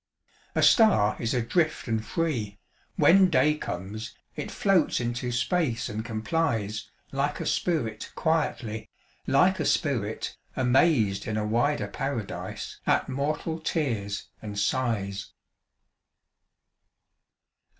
A star is adrift and free. When day comes, it floats into space and com plies ; Like a spirit quietly, Like a spirit, amazed in a wider paradise At mortal tears and sighs.